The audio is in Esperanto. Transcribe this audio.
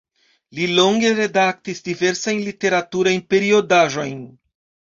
Li longe redaktis diversajn literaturajn periodaĵojn.